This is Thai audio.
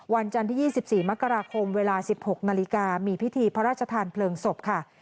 วันจันทร์ที่๒๔มกราคมเวลา๑๖นาฬิกามีพิธีพระราชทานเพลิงศพค่ะ